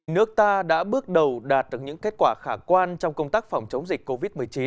nước ta đã bước đầu đạt được những kết quả khả quan trong công tác phòng chống dịch covid một mươi chín